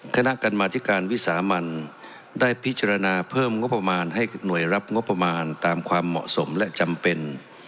คณะกรรมธิการวิสามันได้พิจารณาเพิ่มงบประมาณให้หน่วยรับงบประมาณตามความเหมาะสมและจำเป็น